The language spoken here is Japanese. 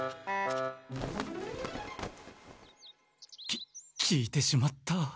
き聞いてしまった。